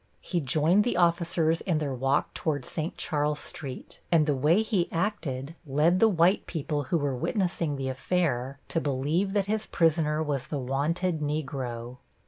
He joined the officers in their walk toward St. Charles Street, and the way he acted led the white people who were witnessing the affair to believe that his prisoner was the wanted Negro.